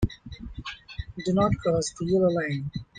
Do not cross the yellow line.